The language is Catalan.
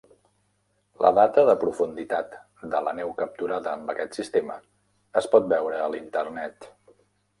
La data de profunditat de la neu capturada amb aquest sistema es pot veure a l'Internet.